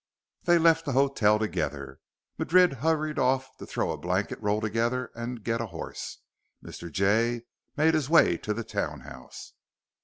They left the hotel together. Madrid hurried off to throw a blanket roll together and get a horse. Mr. Jay made his way to the townhouse.